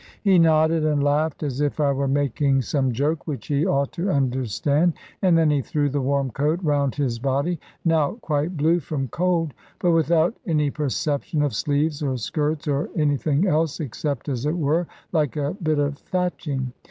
He nodded and laughed, as if I were making some joke which he ought to understand, and then he threw the warm coat round his body (now quite blue from cold), but without any perception of sleeves, or skirts, or anything else, except, as it were, like a bit of thatching.